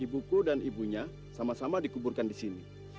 ibuku dan ibunya sama sama dikuburkan di sini